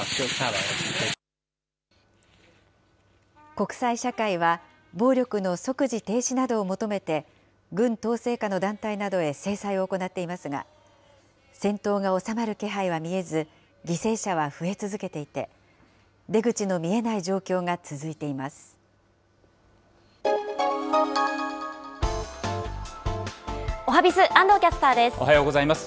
国際社会は、暴力の即時停止などを求めて、軍統制下の団体などへ制裁を行っていますが、戦闘が収まる気配は見えず、犠牲者は増え続けていて、出口の見えない状況が続いていまおはＢｉｚ、おはようございます。